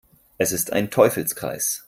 Es ist ein Teufelskreis.